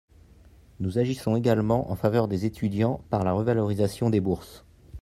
Nous agissons également en faveur des étudiants par la revalorisation des bourses.